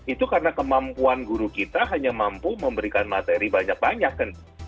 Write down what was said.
itu karena kemampuan guru kita hanya mampu memberikan materi banyak banyak kan